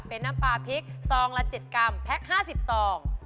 เป็นน้ำปลาพริกซองละ๗กรัมแพ็ค๕๐ซอง